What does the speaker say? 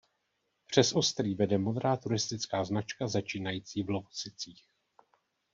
Přes Ostrý vede modrá turistická značka začínající v Lovosicích.